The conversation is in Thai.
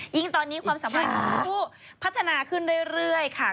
ยิ่งตอนนี้ความสามารถของผู้พัฒนาขึ้นเรื่อยค่ะ